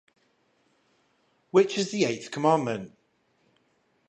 Which is the eighth commandment?